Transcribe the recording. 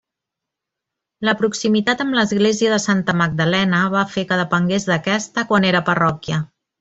La proximitat amb l'església de Santa Magdalena va fer que depengués d'aquesta quan era parròquia.